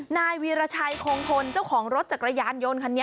นายวีรชัยคงทนเจ้าของรถจักรยานยนต์คันนี้